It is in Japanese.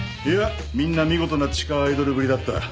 いやみんな見事な地下アイドルぶりだった。